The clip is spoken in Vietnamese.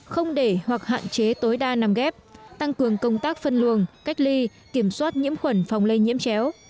không để hoặc hạn chế tối đa nằm ghép tăng cường công tác phân luồng cách ly kiểm soát nhiễm khuẩn phòng lây nhiễm chéo